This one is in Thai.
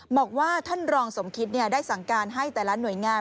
บอกว่าท่านรองสมคิตได้สั่งการให้แต่ละหน่วยงาน